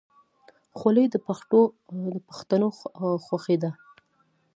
خولۍ د پښتنو خوښي ده.